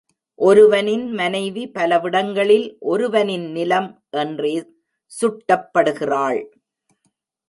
ஒருவனின் மனைவி பலவிடங்களில் ஒருவனின் நிலம் என்றே சுட்டப்படுகிறாள்.